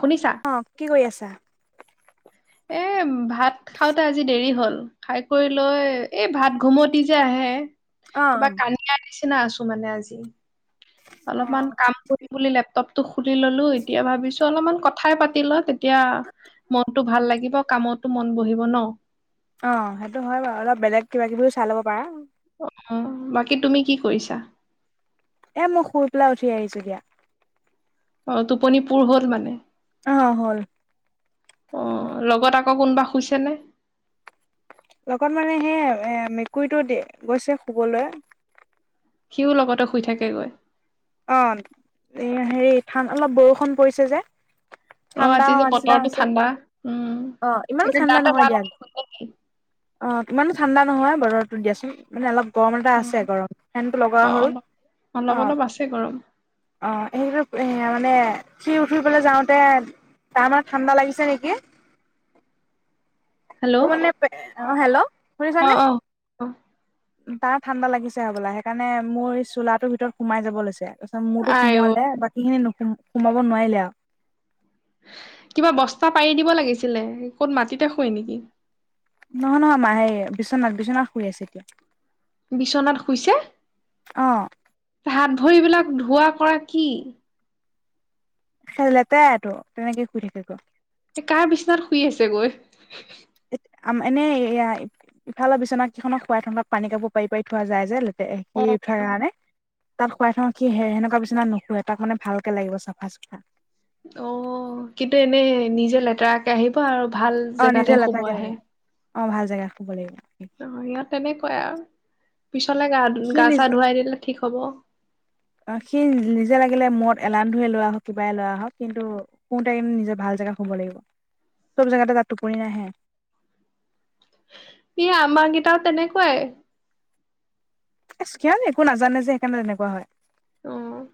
শুনিছা অ' কি কৰি আছা? এ! ভাত খাওঁতে আজি দেৰি হল খাই কৰি লৈ এই ভাত ঘুমতি যে আহে। অ কিবা কানিয়া নিচিনা আছো মানে আজি। অ অলপমান কাম কৰি বুলি লেপটপ খুলি ললো এতিয়া ভাবিছো অলপমান কথাই পাতি লওঁ। তেতিয়া মনতটো ভাল লাগিব কামতো মন বহিব ন।। অ' সেইটো হয় বাৰু অলপ বেলেগ কিবা কিবি চাই ল'ব পাৰা। অ' বাকী তুমি কি কৰিছা? এ! মই শুই পেলাই উঠি আহিছো দিয়া। অ' টোপনি পুৰ হ'ল মানে। অ' হ'ল। অ' লগত আকৌ কোনোবা শুইছেনে। লগত মানে সেই এ! মেকুৰীটো দি গৈছে শুবলৈ। সিওঁ লগতে শুই থাকেগৈ। অ' এ, হেৰি ঠান অলপ বৰষুণ পৰিছে যে। অ' ঠাণ্ডা আজি যে হোৱা নিচিনা বতৰটো হৈছে। ঠাণ্ডা। উ'ম অ ইমানো ঠাণ্ডা গাতে নহয় গা দিয়া। লগাই শুই থাকিবি। অ ইমানো ঠাণ্ডা নহয় বতৰটো দিয়াচোন মানে অলপ গৰম এটা উম আছে গৰম ফেনটো লগোৱা অ হ'ল। অলপ অলপ অ'। অলপ আছে গৰম অঁ সেইবিলাক সয়া মানে শুই উঠবলৈ যাওঁতে তাৰমানে ঠাণ্ডা লাগিছে নেকি। হেল্ল' মোৰ মানে পে অঁ হেল্ল' শুনিছনে? অঁ তাৰ ঠাণ্ডা লাগিছে হ'বলা সেইকাৰণে মোৰ চোলাটোৰ ভিতৰত সোমাই যাব লৈছে। তাৰপিছত মোৰটো আই অ সোমোৱালে বাকী খিনি নুসো সোমাব নোৱাৰিলে আও কিবা বস্তা পাৰি দিব লাগিছিলে। ক'ত মাটিতে শুৱে নেকি? নহয় নহয় মা এ বিচনাত বিচনাত শুই আছে এতিয়া। বিচনাত শুইছে? অ তাহাত ভৰিবিলাক ধোৱা কৰা কি? আৰ লেতেৰা এইটো তেনেকে শুই থাকিব। কাৰ বিচনাত শুই আছে গৈ? এনেই এয়া ইফালৰ বিচনা কেইখনক শুৱাই ঠাণ্ডা পানী কাব' পাৰি পাৰি থোৱা যায় যে ল তে অ সি উঠাৰ কাৰণে। তাত শুৱাই থওঁ কি সে-সেনেকুৱা বিচিনাত নুশুৱে তাক মানে ভালকে লাগিব চাফা চুফা। অ', কিন্তু এনেই নিজে লেতেৰাকে আহিব আৰু ভাল অ নিজে জেগাতহে শুব লেতেৰাকে লাগিব আহে। অ', ভাল জেগা শুব লাগিব। অ', সিহঁত তেনেকুৱাই আৰু। পিছলে গা ধু সি গা চা নিজ ধুৱাই দিলে ঠিক হ'ব। অ সি নিজে লাগিলে মূৰত এলান ধুয়ে লোৱা হওঁক কিবাই লোৱা হওঃক কিন্তু শুওতে নিজে ভাল জেগা শুব লাগিব চব জেগাতে তাৰ টোপনি নাহে। এ আমাৰ কেইটাও তেনেকুৱাই। ইছ, কিয়নো একো নাজানে যে সেইকাৰণে এনেকুৱা হয়। অ',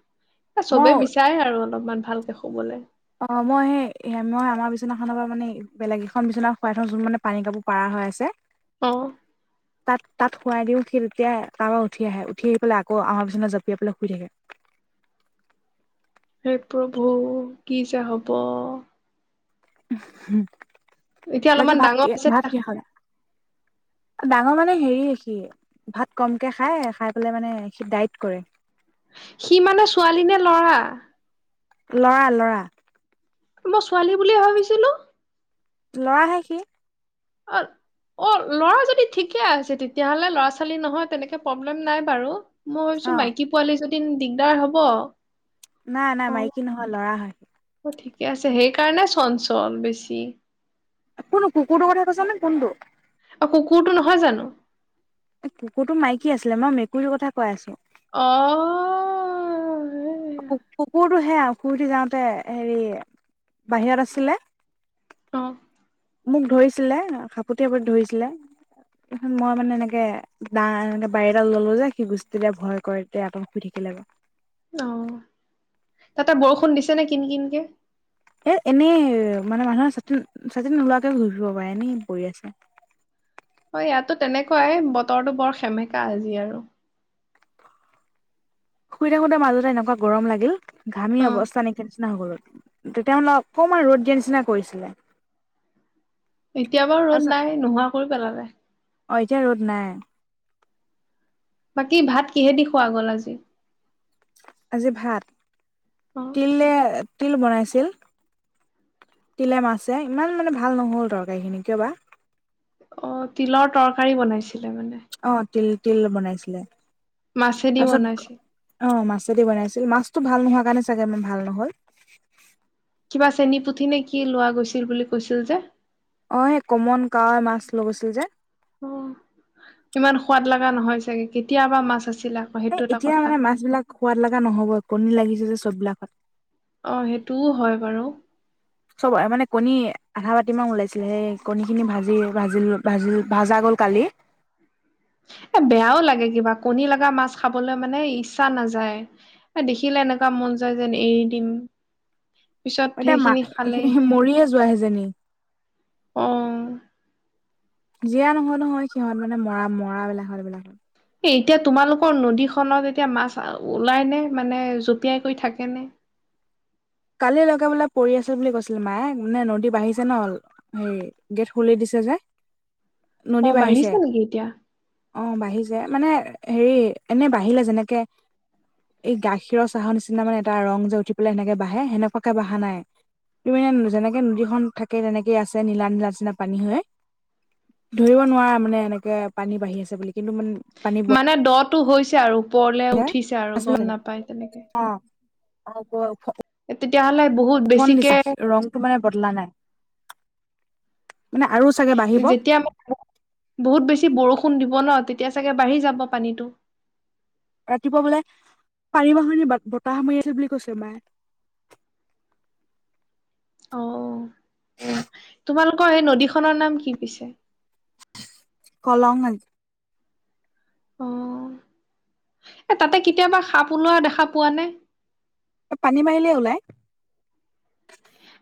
এ মই চবে বিচাৰে আৰু অলপমান ভালকে শুবলে। অ', মই সেই মই আমাৰ বিচনাখনৰ পৰা মানে বেলেগ এখন বিচনাত শুৱাই থৈছো মানে পানী কাপোৰ পাৰা হৈ আছে। অ'। তাত তাত সোৱাই দিও সি তেতিয়া তাপা উঠি আহে উঠি আহি পেলাই আকৌ আমাৰ বিছনা জপিয়াই পেলাই শুই থাকে হেই প্ৰভু কি যে হব হোম এতিয়া অলপমান ডাঙৰ হৈছে ডাঙৰ মানে হেৰি সি ভাত কমকে খাই খাই পেলাই মানে সি ডাইট কৰে সি মানে ছোৱালী নে লৰা লৰা লৰা মই ছোৱালী বুলিয়ে ভাবিছিলো লৰাহে সি [inaudible] অ' ল'ৰা যদি ঠিকে আছে তেতিয়াহলে, ল'ৰা ছোৱালী নহয় তেনেকে প্ৰব্লেম নাই বাৰু। অ মইচোন মাইকী পোৱালিজনী। দিন, দিগদাৰ হ'ব। নাই, নাই মাইকী নহয়, লৰা হয়। অ ঠিকে আছে সেইকাৰণে চঞ্চল, বেছি। কোনটো কুকুৰটো কথা কৈছ নে, কোনটো? অ' কুকুৰটো নহয় জানো? কুকুৰটো মাইকী আছিলে, মই মেকুৰীৰ কথা কৈ আছো। অ। কু-কুকুৰটো সেয়া, শুই উঠি যাওঁতে হেৰি বাহিৰত আছিলে। অহ। মোক ধৰিছিলে, সাপতি-আপতি ধৰিছিলে মই মানে এনেকে দা এনেকে বাৰী এদাল ললো যে, সি গোষ্ঠীলে ভয় কৰে তে। [inaudible] অ তাতে বৰষুণ দিছে নেকি কিন-কিন কে? [inaudible] এনেই মানে মানুহে চাতি-চাতি নোলোৱাকে ঘূৰি ফুৰিব পাৰে, এনেই পৰি আছে। হয়, ইয়াতো তেনেকুৱা এ বতৰটো বৰ সেমেকা আজি আৰু। শুই থাকোতে মাজতে এনেকুৱা গৰম লাগিল। ঘামি অ অৱস্থা নাইকিয়া হৈছে। গৰত তেতিয়া অকমান ৰ'দ দিয়া নিচিনা কৰিছিলে এতিয়া বাৰু ৰ'দ তাৰপিছত নাই, নোহোৱা কৰি পেলালে। অ', এতিয়া ৰ'দ নাই। বাকী ভাত কিহেদি খোৱা গল আজি? আজি ভাত, অ তিলে। তিল বনাইছিল। তিলে -মাছে ইমান মানে ভাল নহ'ল তৰকাৰি খিনি কিয় বা? অ', তিলৰ তৰকাৰী বনাইছে। ছিলে মানে। অ তিল তিল বনাইছিলে। মাছেদি তাৰপিছত বনাইছিল অ, মাছেদি বনাইছিল মাছ। ভাল নোহোৱা কাৰণে চাগে মা -ভাল নহল। কিবা চেনী, পুঠি নে কি লোৱা গৈছিল বুলি কৈছিল যে? অ', সেই কমন কাৱৈ মাছ লৈ গৈছিল যে? অহ। ইমান সোৱাদ লাগা নহয় চাগে, কেতিয়াবা মাছ আছি। এ এতিয়া মানে মাছ বিলাক সোৱাদ লাগা ন'হবই, কণী লাগিছে যে চব বিলাকত। অ', সেইটোও হয় বাৰু। চব মানে কণী আধা বাতি মান ওলাইছিলে, সেই কণীখিনি ভাজি ভাজিলো। ভাজি ভাজা গ'ল কালি। এ বেয়াও লাগে কিবা, কণী লাগা মাছ খাবলৈ মানে ইচ্ছা নাযায়। এ দেখিলে এনেকুৱা মন যায় যেন এৰি দিম। পিছত এতিয়া সেইখিনি খালে মা-মৰিয়েই যোৱা সেইজনী। অ জীয়া নহয় নহয়, সিহঁত মানে মৰা মৰাবিলাকক এইবিলাকত। এ এতিয়া তোমালোকৰ নদীখনত এতিয়া মাছ-ওলাই নে? মানে জপিয়াই কৰি থাকেনে? কালি লৈকে বোলে পৰি আছিল বুলি কৈছিলে মায়ে। মানে নদী বাঢ়িছে নহ, হেৰি গেট খুলি দিছে যে। নদী অ', বাঢ়িছ বাঢ়িছে নেকি এতিয়া? অ', বাঢ়িছে। মানে হেৰি এনে বাঢ়িলে যেনেকে এই গাখীৰৰ চাহৰ নিচিনা মানে এটা ৰং যে উঠি পেলাই সেনেকে বাঢ়ে। হে সেনেকুৱাকে বঢ়া নাই। তুমি যেনেকে নদীখন থাকে তেনেকে আছে, নীলা নীলা নিচিনা পানী হৈ ধৰিব নোৱাৰা মানে এনেকে পানী বাঢ়ি আছে বুলি কিন্তু মানে পানী মানে দ টো হৈছে আৰু। ওপৰলে উঠিছে আৰু গম নাপাই তেনেকে। [inaudible] তেতিয়াহ'লে বহুত বেছিকে উফন্দিছে, ৰংটো মানে বদলা নাই। মানে আৰু চাগে বাঢ়িব যেতিয়া আম বহুত বেছি বৰষুণ ষুণ ন তেতিয়া চাগে বাঢ়ি যাব পানীটো। [unintelligible] বলে পানী মাত শুনি বতাহ মাৰি আছে বুলি কৈছে মায়ে। অ তোমালোকৰ এই নদীখনৰ নাম কি পিছে? কলং। [unintelligible] অ', এ তাতে কেতিয়াবা সাপ ওলোৱা দেখা পোৱা নে? পানী মাৰিলে ওলাই।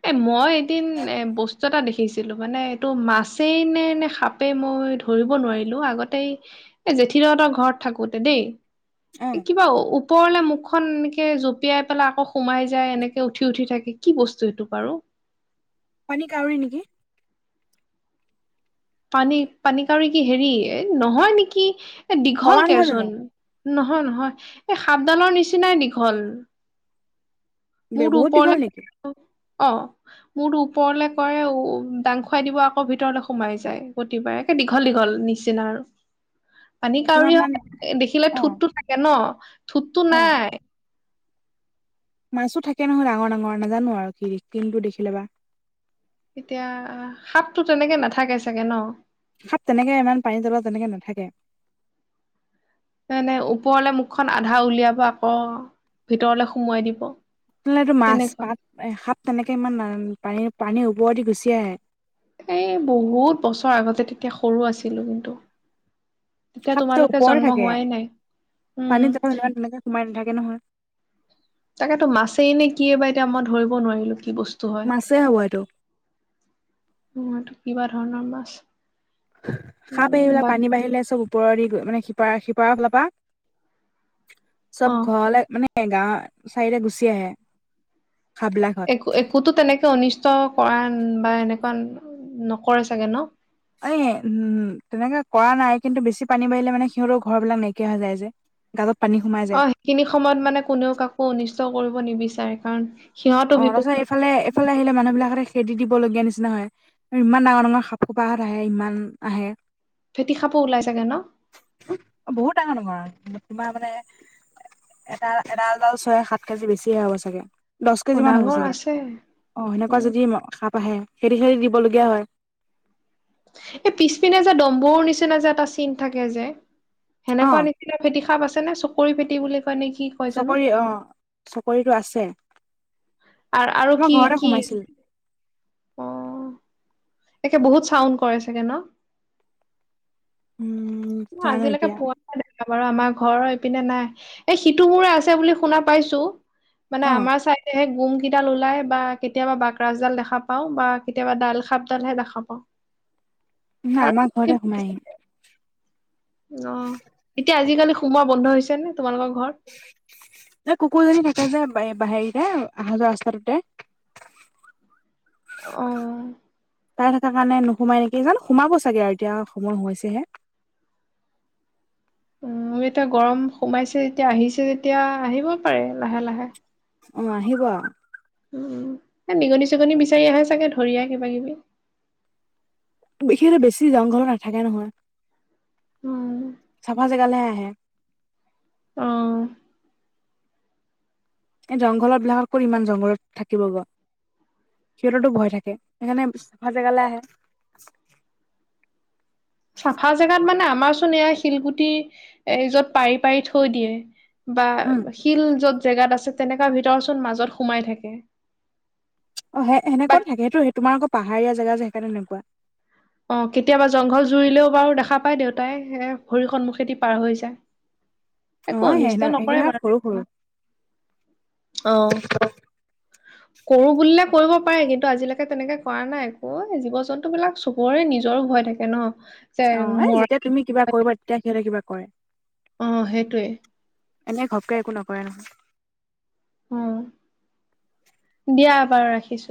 এ মই এদিন এ বস্তু [unintelligible] দেখিছিলো মানে এইটো মাছেই নে, নে সাপেই মই ধৰিব নোৱাৰিলো আগতে। এই জেঠিদো হতৰ ঘৰত থাকোতেই দেই। অ এ কিবা ওপৰলে মুখখন এনেকে জঁপিয়াই পেলাই আকৌ সোমাই যায়, এনেকে উঠি উঠি থাকে। কি বস্তু এইটো বাৰু? পানী কাউৰী নেকি? পানী, পানী কাউৰী কি হেৰি। এ নহয় নেকি। এ কলা দীঘলকে নহয় জানো চোন। নহয় নহয়, এই সাপডালৰ নিচিনাই দীঘল। [unintelligible] বহুত দীঘল নেকি? অহ, মূৰতো ওপৰলে কৰে, উ দাং খুৱাই দিব আকৌ ভিতৰলে সোমাই যায় প্ৰতিবাৰে। একে দীঘল দীঘল নিচিনা আৰু। পানী কিমান কাউৰী মান [unintelligible] দেখিলে অ ঠোটটো থাকে নহ। [inaudible] থুতটো অ নাই। মাছো থাকে নহয় ডাঙৰ ডাঙৰ নাজানো আৰু কি [unintelligible] দেখিলে বা। এতিয়া সাপতো তেনেকে নাথাকে চাগে ন। সাপ তেনেকে ইমান পানী তলত তেনেকে নাথাকে। [unintelligible] নে ওপৰলে মুখখন আধা উলিয়াব আকৌ ভিতৰলে সুমোৱাই দিব। [unintelligible] লে টো মাছ তেনেকুৱা পাত এ সাপ তেনেকে ইমান পানীৰ পানীৰ ওপৰ দি গুচি আহে। এই বহুত বছৰ আগতে তেতিয়া সৰু আছিলো কিন্ত। সাপটো ওপৰতে থাকে উম পানীত [unintelligible] তেনেকে সোমাই নাথাকে নহয়। তাকেতো মাছেই নে কি এ বা এতিয়া মই ধৰিব নোৱাৰিলো। কি বস্তু হয় মাছেই হ'ব এইটো মূৱাটো কিবা ধৰণৰ মাছ। সাপ উম আহিবলে বা পানী বাঢ়িলে চব ওপৰেদি গৈ মানে সিপাৰ সিপাৰ ফাল পা চব অ ঘৰলে মানে এ গাওঁ চাইদে গুচি আহে। সাপবিলাকহঁত একো, একোতো তেনেকে অনিষ্ট কৰান বা এনেকুৱা নকৰে চাগে ন। এই উম, তেনেকে কৰা নাই কিন্তু বেছি পানী বাঢ়িলে মানে সিহঁতৰ ঘৰ বিলাক নাইকিয়া হৈ যায় যে গালত অ' সেইখিনি সময়ত মানে কোনেও কাকো অনিষ্ট কৰিব নিবিচাৰে কাৰণ সিহঁতো অ' বিপদ ৰচোন এইফালে, এইফালে আহিলে মানুহ বিলাকহতে খেদি দিব লগীয়া নিচিনা হয় আৰু ইমান ডাঙৰ ডাঙৰ সাপ খোপাহত আহে ইমান আহে। ফেটী সাপও ওলাই চাগে ন? বহুত ডাঙৰ ডাঙৰ আৰু তোমাৰ মানে এটা এডাল, এডাল ছয় সাত কেজি বেছি হ'ব চাগে। অ কেজি মান হ'ব ডাঙৰ চাগে, আছে অ' সেনেকুৱা উম যদি ম সাপ আহে। খেদি খেদি দিবলগীয়া হয়। এই পিছপিনে যে ডম্বৰু নিচিনা যে এটা চিন থাকে যে অ হেনেকুৱা নিচিনা ফেটী সাপ আছে? তেনে চকৰি ফেঁটী বুলি। কয় নে কি কয় জানো চকৰি, অ' চকৰিটো আছে। আৰু আৰু আমাৰ কি ঘৰতে কি সোমাইছিল অহ' একে বহুত চাউণ্ড কৰে চাগে ন? উম। ন জানো আজিলৈকে এতিয়া পুৱা নাই। বাৰু আমাৰ ঘৰৰ এইপিনে নাই এ সিটো মোৰে আছে বুলি শুনা পাইছো। মানে অ আমাৰ চাইদে গুম কেইডাল ওলাই বা কেতিয়াবা বাগৰাছডাল দেখা পাও বা কেতিয়াবা দাল খাপডালহে দেখা পাও। ন আমাৰ ঘৰে সোমাই আহিম। অ এতিয়া আজিকালি সোমোৱা বন্ধ হৈছে নে? তোমালোকৰ ঘৰত ন কুকুৰ যদি থকা যে হেৰিতে আহ যোৱা ৰাস্তাটোতে অ তাই থকাৰ কাৰণে নোসোমাই নেকি জান সোমাব চাগে আৰু এতিয়া সময় হৈছেহে। উ এতিয়া গৰম সোমাইছে যেতিয়া আহিছে তেতিয়া আহিব পাৰে লাহে লাহে অ আহিব উ নিগনি চিগনি বিচাৰি আহে চাগে ধৰিয় কিবা কিবি সিহতে বেছি যাওঁ ঘৰত নাথাকে নহয় উম চাফা গালে আহে আহ এই জংঘলত বিলাকতক ইমান জংঘলত থাকিব গ সিহঁততো ভয় থাকে সেইকাৰণে চাফা জেগালৈ আহে নাই য়া শিলগুটি এ যত পাৰি পাৰি থৈ দিয়ে বা উম শিল যত জেগাত আছে তেনেকুৱা ভিতৰ চোন মাজত সোমাই থাকে অ সে বা সেনেকুৱ থাকে সেইটো সেই তোমাৰ আকৌ পাহাৰীয়া জেগা যে সেকাৰে তেনেকুৱা অ কেতিয়াবা জংঘল জুৰিলেও বাৰু দেখা পাই দেউতাই এ ভৰিৰ সন্মুখেদি পাৰ হৈ যায় অ একো সেই অনিষ্ট নকৰে সেইকেইটা বাৰু সৰু সৰু আহ কৰো বুলিলে কৰিব পাৰে কিন্তু আজিলৈকে তেনেকে কৰা নাই একো জীৱ জন্তু বিলাক চক বৰে নিজৰো ভয় থাকে ন অ এ মৰ যেতিয়া তুমি কিবা কৰিবা তেতিয়া সিহঁতে কিবা কৰে অ সেইটোৱে এনেক ঘপকে একো নকৰে নহয় উ দিয়া বাৰু ৰাখিছো